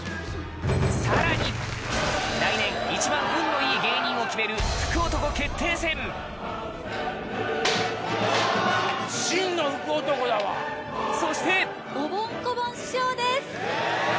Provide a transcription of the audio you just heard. さらに来年一番運のいい芸人を決める福男決定戦そしておぼん・こぼん師匠です！